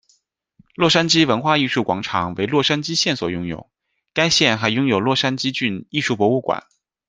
洛杉矶文化艺术广场为洛杉矶县所拥有，该县还拥有洛杉矶郡艺术博物馆。